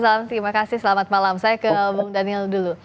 salam terima kasih selamat malam saya ke bung daniel dulu